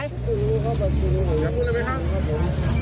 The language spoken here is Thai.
อยากพูดอะไรมั้ยครับ